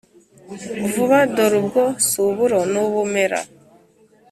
vuba, dorubwo si uburo ni ubumera!